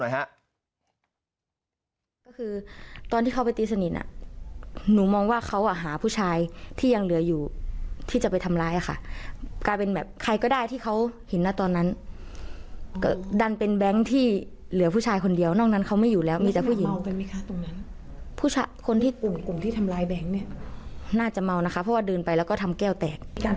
หมั่นไส้หน้าตาดีเหลือเกินเอาไปฟังพนักงานในร้านเล่าหน่อยฮะ